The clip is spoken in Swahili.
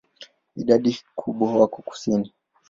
Idadi kubwa wako kusini.